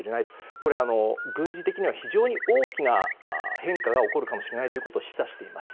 これは、軍事的には非常に大きな変化が起こるかもしれないと示唆しています。